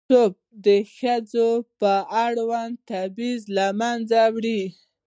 یونیسف د ښځو په وړاندې تبعیض له منځه وړي.